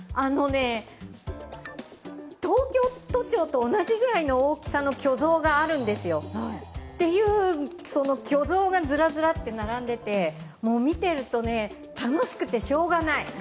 東京都庁と同じくらいの大きさの巨像があるんですよ。という巨像がズラズラっと並んでいて、見てると楽しくてしようがない。